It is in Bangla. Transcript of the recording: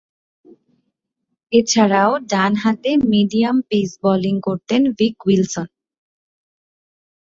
এছাড়াও ডানহাতে মিডিয়াম পেস বোলিং করতেন ভিক উইলসন।